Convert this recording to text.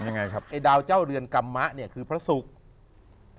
ยังไงครับไอ้ดาวเจ้าเรือนกรรมมะเนี่ยคือพระศุกร์